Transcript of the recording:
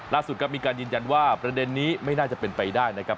ล่าสุดครับมีการยืนยันว่าประเด็นนี้ไม่น่าจะเป็นไปได้นะครับ